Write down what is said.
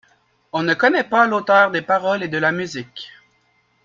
On ne connait pas l'auteur des paroles et de la musique.